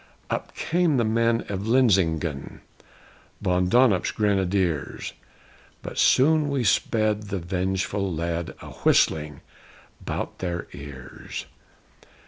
Up came the men of Linsingen, Von Donop's Grenadiers! But soon we sped the vengeful lead A whistling 'bout their ears!